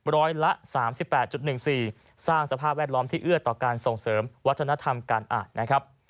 ร้อยละสามสิบแปดจุดหนึ่งสี่สร้างสภาพแวดล้อมที่เอื้อต่อการส่งเสริมวัฒนธรรมการอ่านนะครับ